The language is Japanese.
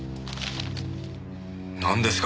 なんですか？